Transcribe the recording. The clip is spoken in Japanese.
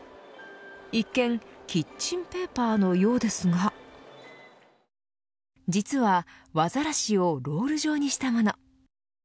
一見キッチンペーパーのようですが実は和晒をロール状にしたもの。